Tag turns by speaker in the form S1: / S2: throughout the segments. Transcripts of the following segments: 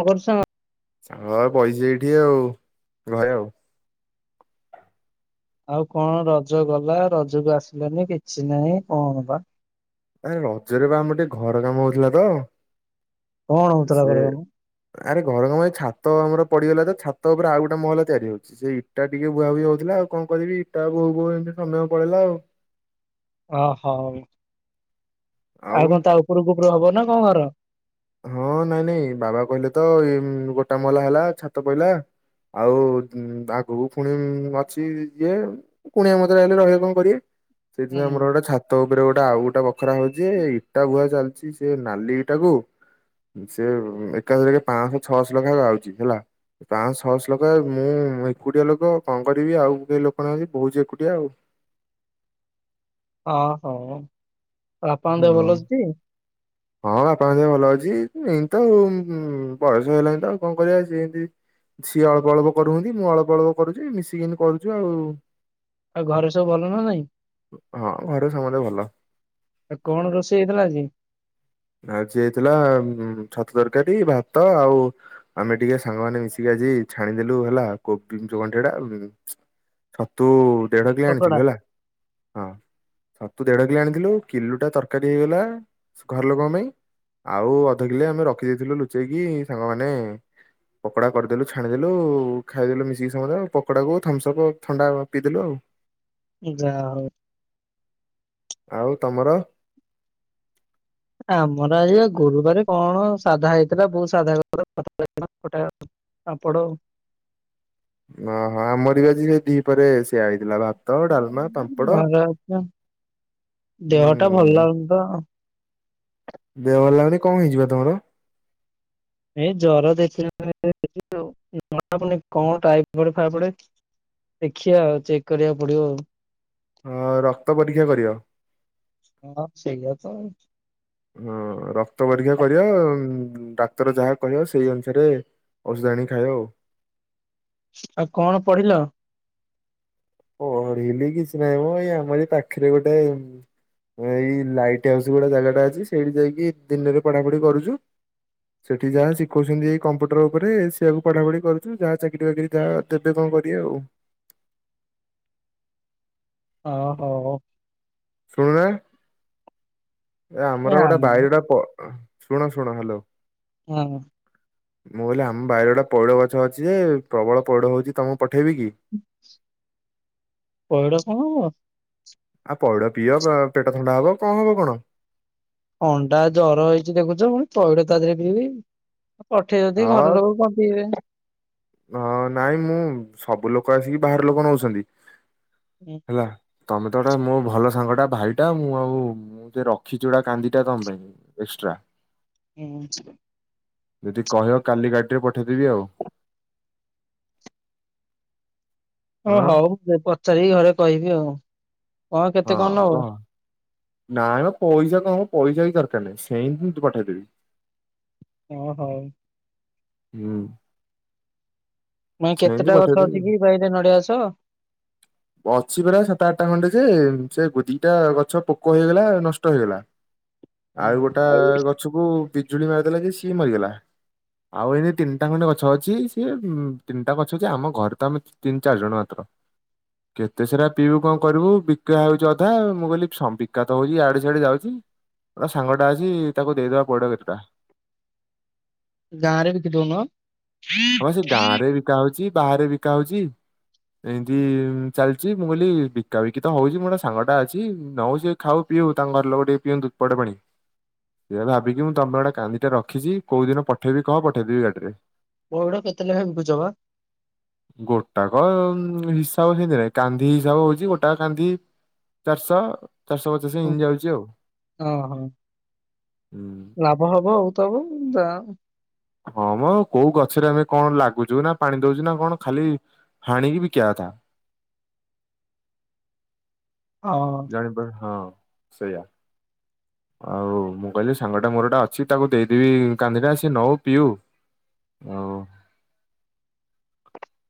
S1: କଣ କରୁଛ?
S2: ସାଙ୍ଗ ଘରେ ବାଇଚି ଏଇଠି ଆଉ ଘରେ ଆଉ।
S1: ଆଉ କଣ ରଜ ଗଲା ରଜକୁ ଆସିଲାନି କିଛି ନାହିଁ କଣ ବା
S2: ଆରେ ରଜରେ ବା ଆମର ଟିକେ ଘର କାମ ହଉଥିଲା ତ
S1: କଣ ହଉଥିଲା
S2: ସେ
S1: ଘରେ କଣ?
S2: ଆରେ ଘର କାମ ଛାତ ଆମର ପଡିଗଲା ତ ଛାତ ଉପରେ ଆଉ ଗୋଟେ ମହଲ ତିଆରି ହଉଛି ସେ ଇଟା ଟିକେ ବୁହାବୁହି ହଉଥିଲା ଆଉ କଣ କରିବି ଇଟା ବୋହୁ ବୋହୁଏମିତି ସମୟ ପଳେଇଲା ଆଉ।
S1: ଓହୋ ଆଉ କଣ ତା ଉପରକୁ ଉପରୁ ହବ ନା କଣ ଘର?
S2: ହଁ ନାଇଁ ନାଇଁ ବାବା କହିଲେ ତ ଏ ଗୋଟା ମହଲା ହେଲା ଛାତ ପହିଲା ଆଉ ଭାଗକୁ ପୁଣି ଅଛି ଯିଏ। କୁଣିଆ ମାଇନ୍ତ୍ର ଆଇଲେ ରହିବ କଣ କରିବେ
S1: ହୁଁ,
S2: ସେଇଥିାଇଁ ଆମର ଗୋଟେ ଛାତ ଛାତ ଉପରେ ଗୋଟେ ଆଉ ଗୋଟେ ବଖରା ହଉଛି ଇଟା ବୁହା ଚାଲିଛି ସେ ନାଲି ଇଟା କୁ ସେ ଏକାଶ ଲଖ ପାଞ୍ଚଶହ ଛଅଶହ ଲକ୍ଷା ଆଉଛି ହେଲା। ପାଞ୍ଚ ଛହଶହ ଲୋକ ମୁଁ ଏକୁଟିଆ ଲୋକ କଣ କରିବି ଆଉ କେ ଲୋକ ନାହାନ୍ତି ବହୁଛି ଏକୁଟିଆ ଆଉ।
S1: ହଁ, ହଁ ବାପାଙ୍କ
S2: ହଁ।
S1: ଦେହ ଭଲ ଅଛି?
S2: ହଁ ବାପାଙ୍କ ଦେହ ଭଲ ଅଛି ଏମତି ତ ଆଉ ବୟସ ହେଇଲାଣି ତ ଆଉ କଣ କରିବା ସେ ଏମତି ସିଏ ଅଳ୍ପ ଅଳପ କରୁନ୍ତି ମୁଁ ଅଳ୍ପ ଅଳ୍ପ କରୁଛି ମିଶିକିନି କରୁଛୁ ଆଉ।
S1: ଆଉ ଘରେ ସବୁ ଭଲ ନା ନାଇଁ।
S2: ହଁ ଘରେ ସମସ୍ତେ ଭଲ।
S1: ଆଉ କଣ ରୋଷେଇ ହେଇଥିଲା ଆଜି?
S2: ଆଜି ହେଇଥିଲା ଛତୁ ତରକାରୀ ଭାତ ଆଉ ଆମେ ଟିକେ ସାଙ୍ଗମାନୋ ମିଶିକି ଆଜି ଛାଣିଦେଲୁ ହେଲା କୋବିକଣ୍ଠି ଟା [unintelligible] ଛତୁ ଦେଢ କିିଲେ
S1: ପକୋଡ଼ା।
S2: ଆଣିଥିଲୁ ହେଲା। ହଁ, ଛତୁ ଦେଢ କିଲୋ ଆଣିଥିଲୁ କିଲୋ ଟା ତରକାରୀ ହେଇଗଲା। ଘର ଲୋକଙ୍କ ପାଇଁ ଆଉ ଅଧ କିଲେ ଆମେ ରଖିଦେଇଥିଲୁ ଲୁଚେଇକି ସାଙ୍ଗମାନେ ପକୋଡା କରିଦେଲୁ ଛାଣିଦେଲୁ ଖାଇଦେଲୁ ମିଶିକି ସମୟରେ ଆଉ ପକଡ଼ାକୁ ଥମ୍ସ ଅପ୍ ଥଣ୍ଡା ପିଇଦେଲୁ ଆଉ।
S1: ହୁଁ ଯାହା ହଉ।
S2: ଆଉ ତମର?
S1: ଆମର ଆଜି ଗୁରୁବାର କଣ ସାଧା ହେଇଥିଲା ବଉ ସାଧା [unintelligible] ଗୋଟା ପାମ୍ପଡ ଆଉ [unintelligible]
S2: ଓହଁ ଆମର ବି ଆଜି ସେ ଦି ପରେ ସେଇଆ ହେଇଥିଲା ଭାବ
S1: ଭଲ ଅଛି ଦେହ ଟା ଭଲ
S2: ଉଁ
S1: ଲାଗୁନି ତ ଆଉ।
S2: ଦେହ ଭଲ ଲାଗୁନି କଣ ହେଇଛି ବା ତମର?
S1: ଏଇ ଜର ଦେ ଜଣା ପଡୁନି କଣ ଟାଇଫୟଡ୍, ଫାଇଫୟଡ୍ ଦେଖିବା ଆଉ ଚେକ୍ କରିବାକୁ ପଡିବ ଆଉ।
S2: ହଁ, ରକ୍ତ ପରୀକ୍ଷା କରିବ?
S1: ହଁ ସେଇଆ ତ ଆଉ
S2: ହଁ ରକ୍ତ ପରୀକ୍ଷା କରିବ ଡାକ୍ତର ଯାହା କହିବ ସେଇ ଅନୁସାରେ ଔଷଧ ଆଣିକି ଖାଇବ ଆଉ।
S1: ଆଉ କଣ ପଢିଲ?
S2: ପଢିଲି କିଛି ନାହିଁ ମ ଏଇ ଆମର ପାଖରେ ଗୋଟେ ଏଇ ଲାଇଟ୍ ହାଉସ୍ ଗୋଟେ ଜାଗାଟା ଅଛି ସେଇଠି ଯାଇକି ଦିନରେ ପଢାପଢି କରୁଛୁ। ସେଠି ଯାହା ଶିଖଉଛନ୍ତି ଏଇ କମ୍ପ୍ୟୁଟର ଉପରେ ସେଇଆକୁ ପଢ଼ାପଢି କରୁଛୁ ଯାହା ଚାକିରରି ବାକିରି ଯାହା ତେବେ କଣ କରିବା ଆଉ।
S1: ଓ ହଉ ହଉ।
S2: ଶୁଣୁନା। ଏ ଆମର ଗୋଟେ ଭାଇର ଗୋ ଶୁଣ ଶୁଣ ହ୍ୟାଲୋ।
S1: ହୁଁ।
S2: ମୁଁ କହିଲି ଆମ ବାଇରେ ଗୋଟେ ପଇଡ଼ ଗଛ ଅଛି ଯେ ପ୍ରବଳ ପଇଡ଼ ହଉଛି ତମକୁ ପଠେଇବି କି?
S1: ପଇଡ ସବୁ ମୋ
S2: ଆଉ ପଇଡ଼ ପିଅ ପେଟ ଥଣ୍ଡା ହବ କଣ ହବ କଣ।
S1: ଅଣ୍ଡା ଜର ହେଇଛିି ଦେଖୁଛ ପୁଣି ପଇଡ ତା ଦେହରେ ପିଇବି? ପଠେଇବ ଯଦି ଘର
S2: ହଁ
S1: ଲୋକ କଣ ପିଇବେ।
S2: ହଁ ନାଇଁ ମୁଁ ସବୁ ଲୋକ ଆସିକି ବାହାର ଲୋକ ନଉଛନ୍ତି।
S1: ହୁଁ।
S2: ହେଲା ତମେ ତ ଗୋଟେ ମୋ ଭଲ ସାଙ୍ଗ ଟା ଭାଇଟା ମୁଁ ଆଉ ମୁଁ ଟେ ରଖିଛି କାନ୍ଦିଟା ତମ ପାଇଁ ଏକ୍ସଟ୍ରା।
S1: ହୁଁ।
S2: ଯଦି କହିବ କାଲି କଟିକି ପଠାଇଦେବି ଆଉ।
S1: ଓ
S2: ହଁ
S1: ହଉ ମୁଁ ପଚାରିକି ଘରେ କହିବି ଆଉ। କଣ କେତେ କଣ
S2: ହଁ
S1: ନବ?
S2: କହ ନାଇଁ ମ ପଇସା କଣ ହବ ପଇସା କିଛି ଦରକାର ନାହିଁ ସେମତି ପଠେଇଦେବି।
S1: ଓ ହଉ।
S2: ହୁଁ।
S1: ନାଇଁ
S2: ସେମିତି
S1: କେତେଟା ଗଛ
S2: ପଠେଇଦେବି
S1: ଅଛି କି ବାଇ ରେ ନଡିଆ ଗଛ?
S2: ଅଛି ପରା ସାତ ଆଠଟା ଖଣ୍ଡେ ସେ ସେ ଦିଟା ଗଛ ପୋକ ହେଇଗଲା ନଷ୍ଟ ହେଇଗଲା।
S1: [inaudible]
S2: ଆଉ
S1: ହୁଁ
S2: ଗୋଟା
S1: ଆଉ
S2: ଗଛକୁ ବିଜୁଳି ମାରିଦେଲା ଯେ ସିଏ ମରିଗଲା। ଆଉ ଏଇନା ତିନିଟା ଖଣ୍ଡେ ଗଛ ଅଛି ସିଏ ଉ ମୁ ତିନିଟା ଗଛ ଅଛି ଆମ ଘରେ ତ ଆମେ ତିନି ଚାରି ଜଣ ମାତ୍ର କେତେ ସାରା ପିଇବୁ କଣ କରିବୁ ବିକା ହଉଛି ଅଧା ମୁଁ କହିଲି ବିକା ହଉଛି ଆଡେ ସିଆଡେ ଯାଉଛି ମୋ ସାଙ୍ଗ ଟା ଅଛି ତାକୁ ଦେଇଦବା ପଇଡ କେତେଟା।
S1: ଗାଁରେ ବିିକିଦଉନ?
S2: କା ହଉଛି ବାହାରେ ବିକା ହଉଛି। ଏମତି ଚାଲିଚଛି ମୁଁ କହିଲି ବିକାବିକି ତ ହଉଛି ମୋର ସାଙ୍ଗ ଟା ଅଛି ନଉ ସିଏ ଖାଉ ପିଉ ତାଙ୍କ ଘର ଲୋକ ଟିକେ ପିଅନ୍ତୁ ପଇଡ ପାଣି। ସେଇଆ ଭାବିକି ମୁଁ ତମ ପାଇଁ ଗୋଟେ କାନ୍ଦିଟେ ରଖିଛି। କୋଉ ଦିନ ପଠେଇବି କୁହ ପଠେଇଦେବି ଗାଡିରେ।
S1: ପୋଇଡ କେତେଲେଖା ବିକୁଛ ବା?
S2: ଗୋଟାକ ହିସାବ ସେଇଥିରେ କାନ୍ଦି ହିସାବ ହଉଛି ଗୋଟାକ କାନ୍ଦି ଚାରିଶହ ଚାରିଶହ ପଚାଶ ଏମିତି ଯାଉଛି ଆଉ। ହଁ।
S1: ହବ ତା ହବ ଦାମ୍
S2: ହଁ ମ କୋଉ ଗଛରେ ଆମେ କଣ ଲାଗୁଛୁ ନା ପାଣି ଦଉଛୁ ନା କଣ ଖାଲି ହାଣିକି ବିକିବା କଥା।
S1: ହଁ।
S2: ଜାଣିପା ହଁ ସେଇଆ। ଆଉ ମୁଁ କହିଲି ସାଙ୍ଗଟା ମୋରଟା ଅଛି ତାକୁ ଦେଇଦେବି କାନ୍ଦିଟା ସିଏ ନଉ ପିଉ। ଆଉ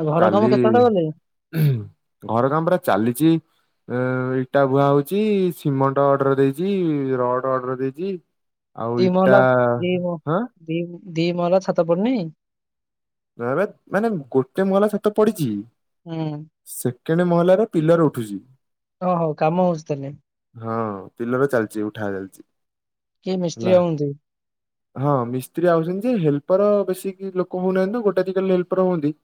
S1: ଆଉ ଘର କାମ
S2: କାଲି
S1: କେତେଟା କଲେ?
S2: ହୁଁ ଘର କାମ ପରା ଚାଲିଛି। ଏ ଇଟା ବୁହା ହଉଛି, ସିମେଣ୍ଟ ଅର୍ଡର ଦେଇଛି, ରଡ ଅର୍ଡର ଦେଇଛି। ଆଉ
S1: ଦି
S2: ଇଟା
S1: ମହଲା ଦି ମ
S2: ହଁ।
S1: ଦି ଦି ମଲା ଛାତ ପଡନି।
S2: ଏବେ ମାନେ ଗୋଟେ ମହଲା ଛାତ ପଡ଼ିଛି।
S1: ହୁଁ
S2: ସେକେଣ୍ଡ ମହଲାରେ ପିଲର ଉଠୁଛି।
S1: ଓ ହୋ କାମ ହଉଛି ତାହେଲେ।
S2: ହଁ ପିଲର ଚାଲିଛି ଉଠା ଚାଲିଛି।
S1: କିଏ
S2: ହେଲା
S1: ମିସ୍ତ୍ରୀ ହଉନ୍ତି?
S2: ହଁ ମିସ୍ତ୍ରୀ ଆଉଛନ୍ତି ଯେ, ହେଲ୍ପର ବେଶି କିଏ ଲୋକ ହଉନାହାନ୍ତି ତ ଗୋଟା ଦିଟା ହେଲ୍ପର ହୁଅନ୍ତି।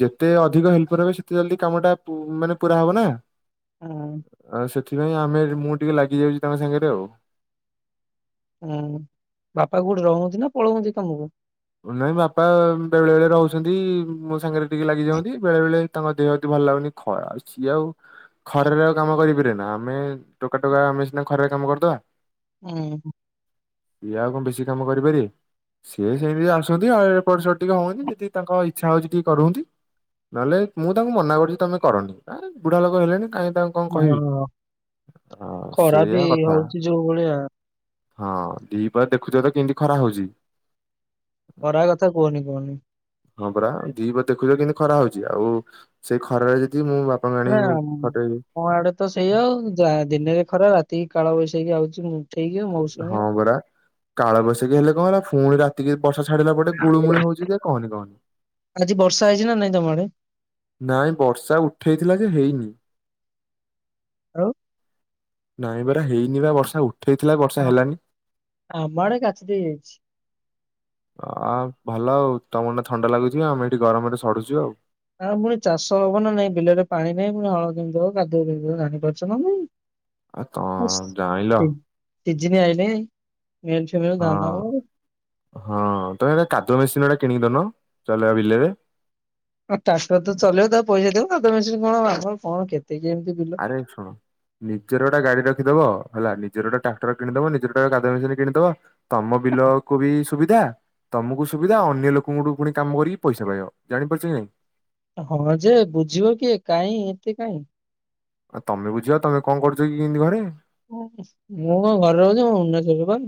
S2: ଯେତେ ଅଧିକ ହେଲ୍ପର ହେବେ ସେତ ଜଲଦି କାମଟା ପୁ ମାନେ ପୁରା ହବ ନା।
S1: ହଁ
S2: ଆଉ ସେଥିପାଇଁ ଆମେ ମୁଁ ଟିକେ ଲାଗିଯାଉଛି ତାଙ୍କ ସାଙ୍ଗରେ ଆଉ।
S1: ହୁଁ ବାପା କୋଉଠି ରୋହନ୍ତି ନା ପଳୁଅନ୍ତି କାମ କୁ।
S2: ନାଇଁ ବାପା ବେଳେ ବେଳେ ରହୁଛନ୍ତି ମୋ ସାଙ୍ଗରେ ଟିକେ ଲାଗି ଯାଅନ୍ତି, ବେଳେ ବେଳେ ତାଙ୍କ ଦେହଟି ଭଲଲାଗୁନି ଖ ଆଉ ସିଏ ଆଉ ଖରାରେ ଆଉ କାମ କରିପାରିବେନା ଆମେ ଟୋକା ଟୋକା ଆମେ ସିନା ଖରାରେ କାମ କରିଦବା।
S1: ହୁଁ
S2: ସିଏ ଆଉ କଣ ବେଶି କାମ କରିପାରିବେ ସିଏ ଡେରିରେ ଆସନ୍ତି ଆ ଏପଟ ସେପଟ ଟିକେ ହୁଅନ୍ତି ଯେତିକି ତାଙ୍କ ଇଚ୍ଛା ହଉଛି ଟିକେ କରନ୍ତି। ନହେଲେ ମୁଁ ତାଙ୍କୁ ମନା କରୁଛି ତମେ କରନି, ଆରେ ବୁଢ଼ା ଲୋକ ହେଲେଣି କାଇଁ ତା କଣ କହିବି
S1: ହଁ ଖରା ବି
S2: ସେଇଆ କଥା
S1: ହଉଛି ଯୋଉ ଭଳିଆ
S2: ହଁ ଦିପହରେ ଦେଖୁଛ ତ କେମିତି ଖରା ହଉଛି।
S1: ଖରା କଥା କୁହନି କୁହନି
S2: ହଁ ପୁରା ଦିପହରେ ଦେଖୁଛ କେମିତି ଖରା ହଉଛି। ଆଉ ସେ ଖରାରେ ଯଦି ମୋ ବା
S1: ହାଁ ମୋ ଆଡ଼େ ତ ସେଇଆ ଆଉ ଦା ଦିନରେ ଖରା ରାତିକି କାଳବୈଶାଖୀ ଆଉଛି। ଉଠେଇକି ମୌସୁମୀ
S2: ହଁ ପରା। କାଳ ବୈଶାଖୀ ହେଲେ କଣ ହେଲା, ଫୁଣି ରାତିିରେ ବର୍ଷା ଛାଡ଼ିଲା ପରେ ଗୁଳୁମୁଳି ହଉଛି ଯେ କହନି କହନି।
S1: ଆଜି ବର୍ଷା ହେଇଛି ନା ନାଇଁ ତମ ଆଡ଼େ।
S2: ନାଇଁ ବର୍ଷା ଉଠେଇଥିଲା ଯେ ହେଇନି।
S1: ଆଉ
S2: ନାଇଁ ପରା ହେଇନି ବା ବର୍ଷା ଉଠେଇଥିଲା ବର୍ଷା ହେଲାନି।
S1: ଆମ ଆଡ଼େ କାଚି ଦେଇ ଯାଇଛି।
S2: ଅ ଭଲ ଆଉ ତମର ଥଣ୍ଡା ଲାଗୁଛି ଆମେ ଏଇଠି ଗରମରେ ସଢୁଛୁ ଆଉ।
S1: ଆଁ ପୁଣି ଚାଷ ହବ ନା ନାଇଁ ବିଲରେ ପାଣି ନାଇଁ ପୁଣି ହଳ କେମିତି ହବ କାଦୁଅ କେମିତି ହବ ଜାଣିପାରୁଛ ନା ନାଇଁ।
S2: ଆ ତ
S1: ହୁଷ
S2: ଜାଣିଲ
S1: ହେଇ ସିଜିନ ଆଇଲାଣି ମେଲଛ ବେଳେ ଦାଉଁ
S2: ହଁ।
S1: ଦାଉଁ ହବ।
S2: ହଁ ତମେ ଏଟ କାଦୁଅ ମେସିନ୍ କିଣି ଦଉନ ଚଲେଇବା ବିଲରେ।
S1: ଟାସର୍ ତ ଚେଲେଇବୁ ତାକୁ ପଇସା ଦବୁ ହାତ ମେସିନ କଣ ହବ। ଆମର କଣ କେତେ କି ଏମିତି ବି
S2: ଏ ଶୁଣ ନିଜର ଗୋଟ ଗାଡି ରଖିଦବ ହେଲା ନିଜର ଗୋଟ ଟ୍ରାକଟର କିଣିଦବ ନିଜର ଗୋଟେ [unintelligible] ମେସିନ କିଣିଦବ। ତମ ବିଲକୁ ବି ସୁବିଧା ତମକୁ ସୁବିଧା ଅନ୍ୟ ଲୋକଙ୍କୁଠୁ ପୁଣି କାମ କରିକି ପଇସା ପାଇବ ଜାଣିପାରୁଛ କି ନାଇଁ।
S1: ହଁ ଯେ ବୁଝିବ କିଏ କାଇଁ ଏତେ କାଇଁ
S2: ଆଉ ତମେ ବୁଝିବ ତମେ କଣ କରୁଛ କି ଇଁତି ଘରେ।
S1: ମୁଁ କଣ ଘରେ ରହୁଛି ମୁ ଭୁବନେଶ୍ୱରରେ ପା।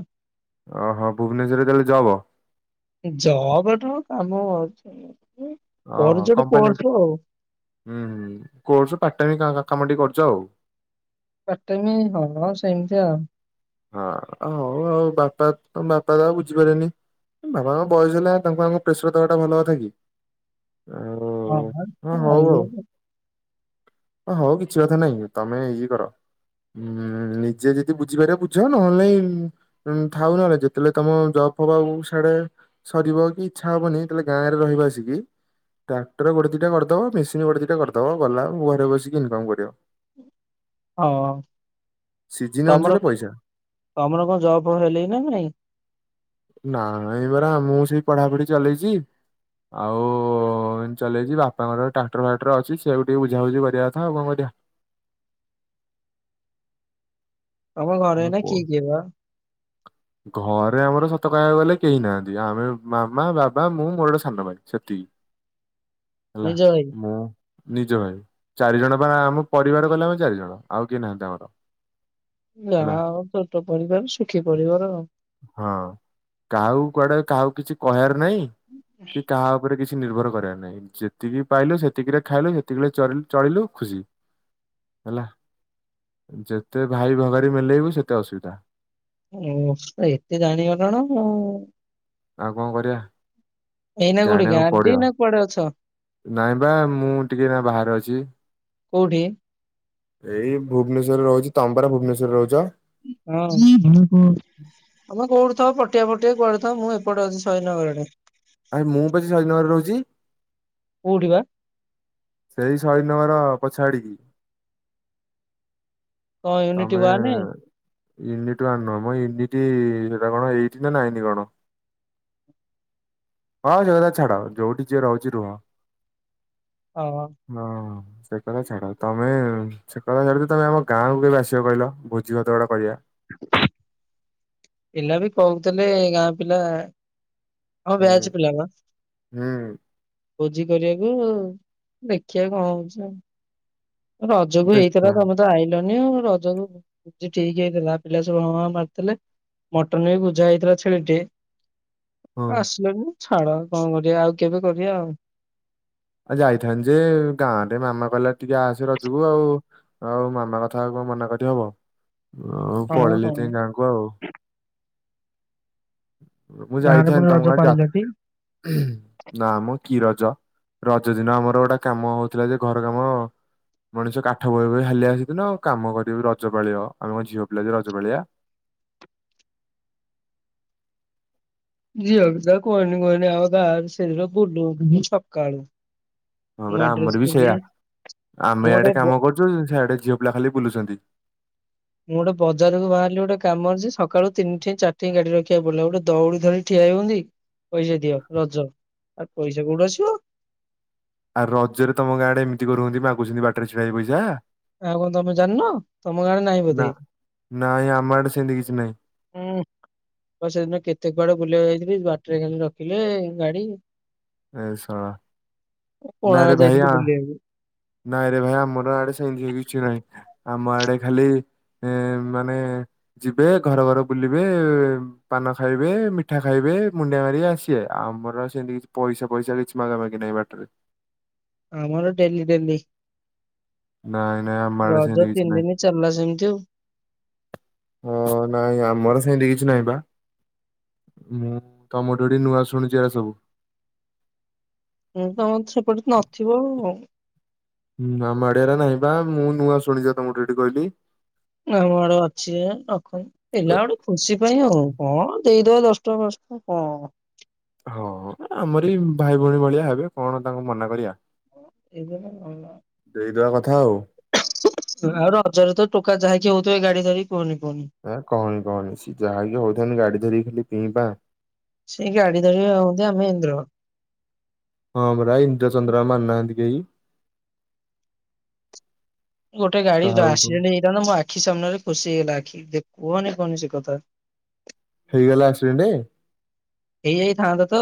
S2: ଓହୋ ଭୁବନେଶ୍ୱରରେ ତାହେଲେ ଜବ୍।
S1: ଜବ ନୁହେଁ କାମ ଅଛି
S2: ଓହୋ
S1: କରୁଚୁ ଗୋଟେ
S2: କମ୍ପାନୀ
S1: କ୍ରୋଶ ଆଉ।
S2: ହୁଁ ହୁଁ କୋର୍ସ ପାଟ୍ ଟାଇମି କାମ ଟିକେ କରିଛ ଆଉ।
S1: ପାର୍ଟ ଟାଇମ୍ ହଁ ସେମିତି ଆ।
S2: ହଁ ହଉ ଆଉ ବାପା ତମ୍ ବାପା ତ ଆଉ ବୁଝିପାରିବେନି। ବାବା ମାଙ୍କ ବୟସ ହେଲା ତାଙ୍କୁ ଆଉ ପ୍ରେସର ଦେବା ଟା ଭଲ କଥା କି? ଆଉ
S1: ହଁ
S2: ହଁ
S1: ଆଉ [unintelligible]
S2: ଅ ହଉ କିଛି କଥା ନହିଁ ତମେ ଇଏ କର - ହୁଁ ନିଜେ ଯଦି ବୁଝିପାରିବ ବୁ ଝ ନହେଲେ ନାଇଁ ଥାଉ ନହେଲେ ଯେତେବେଳେ ତମ ଜବ ହବା ମୁଁ ସିଆଡେ ସରିବ କି ଇଚ୍ଛା ହବନି ଯେତେଲେ ଗାଁରେ ରହିବ ଆସିକି। ଟ୍ରାକ୍ଟର ଗୋଟେ ଦିଇଟା କରିଦବ ମେସିନ ଗୋଟେ ଦିଇଟା କରିଦବ ଓଉ ଗଲା ଆଉ ଘରେ ବସିକି ଇନକମ୍ କରିବ।
S1: ହଁ
S2: ସିଜିନ୍
S1: ତମର
S2: ଅନୁସାରେ ପଇସା
S1: ତମର କଣ ଜବ ଫବ ହେଲେ ନା ନାଇଁ।
S2: ନାଇଁ ପରା ମୁଁ ସେଇ ପଢାପଢି ଚାଲେଇଛି। ଆଉ ଚଲେଇଛି ବାପାଙ୍କର ଟ୍ରାକ୍ଟର ଫାକ୍ଟର ଅଛି ସେକୁ ଟିକେ ବୁଝାବୁଝି କରିବା କଥା ଆଉ କଣ କରିବା।
S1: ତମ ଘରେ ଏନା
S2: କରିବା।
S1: କିଏ କିଏ ବା।
S2: ଘରେ ଆମର ସତ କହିବାକୁ ଗଲେ କେହି ନାହାଁନ୍ତି। ଆମେ ମାମା ବାପା ମୁଁ ମୋର ଗୋଟେ ସାନ ଭାଇ ସେତିକି।
S1: [inaudible]
S2: ହେଲା
S1: ନିଜ ଭାଇ?
S2: ମୁଁ ନିଜ ଭାଇ ଚାରିଜଣ ବା ଆମ ପରିବାର କହିଲେ ଆମେ ଚାରିଜଣ ଆଉ କିଏ ନାହାଁନ୍ତି ଆମର। ହେଲା
S1: ଯାହା ଆଉ ଛୋଟ ପରିବାର ଶୁଖି ପରିବାର ଆଉ।
S2: ହଁ କାହାକୁ କୁଆଡେ କାହାକୁ କିଛି କହିଆର ନାହିଁ କି କାହା ଉପରେ କିଛି କି ନିର୍ଭର କରିଆର ନାହିଁ ଯେତିକି ପାଇଲୁ ସେତିକିରେ ଖାଇଲୁ ସେତିକିରେ ଚାଲି ଚଳିଲୁ ଖୁସି। ହେଲା ଯେତେ ଭାଇ ଭଗାରୀ ମେଲେଇବୁ ସେତେ ଅସୁବିଧା।
S1: ଉଁ ଏତେ ଜାଣିଗଲୁଣୁ।
S2: ଆଉ କଣ କରିଆ?
S1: ଏଇନା କୋଉଠି
S2: ଜାଣିଆକୁ
S1: ଗାଁରେ କି
S2: ପଡିଅ
S1: ନା କୁଆଡେ ଅଛ?
S2: ନାଇଁ ବା ମୁଁ ଟିକେ ନା ବାହାରେ ଅଛି।
S1: କୋଉଠି?
S2: ଏଇ ଭୁବନେଶ୍ୱରରେ ରହୁଛି ତମେପରା ଭୁବନେଶ୍ୱରରେ ରହୁଛ।
S1: ହଁ ମଣିପୁର ମୁଁ ତମେ କୋଉଠି ପଟିଆ ଫଟିଆ କୁଆଡେ ଥ ମୁଁ ଏପଡେ ଅଛି ଶହିଦନଗର ପଟେ।
S2: ଆରେ ମୁଁ ପା ସେ ଶହିଦିନଗରରେ ରହୁଛି।
S1: କୋଉଠିି ବା?
S2: ସେଇ ଶହିଦିନଗର ପଛ ଆଡିକି।
S1: କଣ ୟୁନିଟି
S2: ତମେ
S1: ୱାନେ?
S2: ୟୁନିଟ ଓଆନ ମୋ ୟୁନିଟ ସେଟା କଣ ଏଇଟ୍ ନା ନାଇନ୍ କଣ? ହଁ ସେକଥା ଛାଡ ଯୋଉଠି ଯିଏ ରହୁଛି ରୁହ।
S1: ହଁ।
S2: ହଁ ସେ କଥା ଛାଡ ତମେ ସେ କଥା ଛାଡ ଯେ ତମେ ଆମ ଗାଁକୁ କେବେ ଆସି ସିଅ କହିଲ ଭୋଜି ଭାତ ଗୋଟେ କରିଆ।
S1: ପିଲା ବି କହୁଥିଲେ ଗାଁ ପିଲା ହଁ
S2: ହୁଁ
S1: ବ୍ୟାଚ ପିଲା ବା।
S2: ହୁଁ
S1: ଭୋଜି କରିଆକୁ ଦେଖିଆ କଣ ହଉଛି ଆଉ। ରଜକୁ ଏଇଥିଲା
S2: ଦେଖିବା
S1: ତମ ତ ଆଇଲନି ଆଉ ରଜ କୁ ଠିକ୍ ହେଇଥିଲା ପିଲା ସବୁ ହଁ ହାଁ ମାରିଥିଲେ। ମଟନ୍ ବି ବୁଝା ହେଇଥିଲା ଛେଳିଟେ।
S2: ହଁ।
S1: ଆସିଲନି ଛାଡ କଣ କରିବା ଆଉ କେବେ କରିବା ଆଉ।
S2: ଆ ଯାଇଥାନ୍ତି ଯେ ଗାଁରେ ମାମା କହିଲା ଟିକେ ଆସେ ରଜକୁ ଆଉ। ଆଉ ମାମା କଥା ଆଉ କଣ ମନା କରି ହବ ଆଉ
S1: ହଁ
S2: ପଳେଇଲିି
S1: ହଁ
S2: ଏଥିପାଇଁ ଗାଁ କୁ ଆଉ। ମୁଁ
S1: ଗାଁରେ
S2: ଯାଇଥାନ୍ତି
S1: ପୁଣି
S2: ତମ
S1: ରଜ
S2: ଗାଁ ଯା
S1: ପାଳିଲଟି?
S2: ନାମ କି ରଜ। ରଜ ଦିନ ଆମର ଗୋଟେ କାମ ହଉଥିଲା ଯେ ଘର କାମ। ମଣିଷ କାଠ ବୋହି ବୋହି ହାଲିଆ ସେଦିନ କାମ କରିବି ରଜପାଳିବ ଆମେ କଣ ଝିଅ ପିଲା ଯେ ରଜପାଳିଆ।
S1: ଝିଅକୁ ତ କହନି କହନି ଆଉ ତା ସେଦିନ [inaudible] ସକାଳ।
S2: ହଁ ପରା ଆମର ବି ସେଇଆ ଆମେ
S1: ଗୋଟେ
S2: ଏୟାଡେ
S1: ବ
S2: କାମ କରୁଛୁ ସେଆଡେ ଝିଅ ପିଲା ଖାଲି ବୁଲୁଛନ୍ତି।
S1: ମୁଁ ଗୋଟେ ବଜାରକୁ ବାହାରିଲି ଗୋଟେ କାମ ଅଛି ସକାଳୁ ତିନିଠ ଚାରି ଗାଡି ରଖିବାକୁ ପଡିଲ ଗୋଟେ ଦଉଡି ଧରି ଠିଆ ହଉନ୍ତି। ପଇସା ଦିଅ ରଜ ଆଉ ପଇସା କୋଉଠି ଆସିବ।
S2: ଆଉ ରଜରେ ତମ ଗାଁଡେ ଏମିତିକରୁନ୍ତି ମାଗୁଛନ୍ତି ବାଟରୀ ଛିଡା ହେଇ ପଇସା?
S1: ଆଉ କଣ ତମେ ଜାଣିନ ତମ ଗାଁ ରେ ନାହିଁ ବୋଧେ?
S2: ନାଇଁ ନାଇଁ ଆମ ଆଡେ ସେମିତି କିଛି ନାହିଁ।
S1: ହୁଁ। ଆ ସେଦିନ କେତେ କୁଆଡେ ବୁଲିବାକୁ ଯାଇଥିଲି ବାଟରେ ଖାଲି ରଖିଲେ ଗାଡି।
S2: ଏ ଶଳା। ନାଇଁରେ
S1: କୋଣାର୍କ
S2: ଭାଇ ଆ
S1: ଯାଇଥିଲି ବୁଲିବାକୁ।
S2: ନାଇଁରେ ଭାଇ ଆମର ଆଡେ ସେମିତି କିଛି ନାହିଁ ଆମ ଆଡେ ଖାଲି ଏ ମାନେ ଯିବେ ଘର ଘର ବୁଲିବେ ପାନ ଖାଇବେ ମିଠା ଖାଇବେ ମୁଣ୍ଡିଆ ମାରି ଆସିବେ ଆଉ ଆମର ସେମତି କିଛି ପଇସା ପଇସା କିଛି ମାଗା ମାଗି ନାହିଁ ବାଟରେ।
S1: ଆମର ଡେଲି ଡେଲି।
S2: ନାଇଁ ନାଇଁ ଆମ ଆଡେ
S1: ରଜ
S2: ସେମିତି କିଛି
S1: ତିନି
S2: ନାହିଁ।
S1: ଦିନି ଚାଲିଲା ସେମିତି ଆଉ।
S2: ହଁ ନାଇଁ ଆମର ସେମତି କିଛି ନାହିଁ ବା। ମୁଁ ତମଠୁଠି ନୂଆ ଶୁଣିଛି ଏରା ସବୁ।
S1: ହୁଁ ତମ ତ ସେପଟେ ନଥିବ ଆଉ।
S2: ହୁଁ ଆମ ଆଡେ ଏରା ନାହିଁ ବା ମୁଁ ନୂଆ ଶୁଣିଛି ତମକୁ ଏଠି କହିଲି।
S1: ଆମ ଆଡେ ଅଛି ରଖନ୍ତୁ ପିଲା ଗୋଟେ ଖୁସି ପାଇଁ ଆଉ କଣ ଦେଇଦବା ଦଶଟଙ୍କା ପାଞ୍ଚ କଁ
S2: ହଁ ଆମରି ଭାଇ ଭଉଣୀ ଭଳିଆ ହେବେ କଣ ତାଙ୍କୁ ମନା କରିବା।
S1: ଏଇଟା ତ ଭଲ।
S2: ଦେଇଦବା କଥା ଆଉ।
S1: ଆଉ ରଜରେ ତ ଟୋକା ଯାହାକି ହଉଥିବେ ଗାଡି ଧରି କୁହନି କୁହନି।
S2: ଆ କହନି କହନି ସିଏ ଯାହାକି ହଉଥାନ୍ତି ଗାଡି ଧରିକି ଖାଲି ପି ପା
S1: ସେଇି ଗାଡି ଧରି ହଉନ୍ତି ଆମେଇନ୍ଦ୍ର।
S2: ହଁ ପରା ଇନ୍ଦ୍ର ଚନ୍ଦ୍ର ମାନୁନାହାନ୍ତି କେହି।
S1: ଗୋଟେ ଗାଡି
S2: କାହା
S1: ତ
S2: ଉପରୁ।
S1: ଆସିରେଣ୍ଟ ଜଣ ମୋ ଆଖି ସାମ୍ନାରେ ଖୁସି ହେଇଗଲା ଆଖି ଦେଖ କୁହନି କୁହନି ସେ କଥା।
S2: ହେଇଗଲା ଆକ୍ସିଡେଣ୍ଟ?
S1: ହେଇଯାଇଥାନ୍ତା ତ।